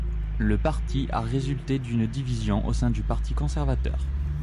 Le parti a résulté d'une division au sein du Parti conservateur.